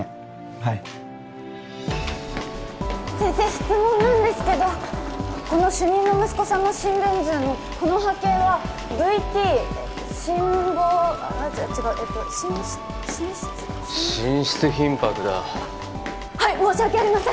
はい先生質問なんですけどこの主任の息子さんの心電図あのこの波形はＶＴ心房あっ違うえっとしん心室心室頻拍だはい申し訳ありません